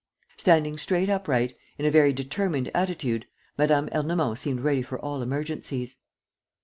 Standing straight upright, in a very determined attitude, Mme. Ernemont seemed ready for all emergencies.